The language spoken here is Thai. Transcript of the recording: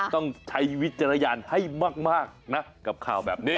ต้องใช้วิจารณญาณให้มากนะกับข่าวแบบนี้